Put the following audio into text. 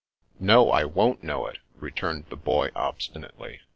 " No, I won't know it," returned the Boy obsti nately.